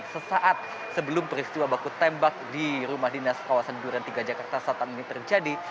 sesaat sebelum peristiwa baku tembak di rumah dinas kawasan duren tiga jakarta selatan ini terjadi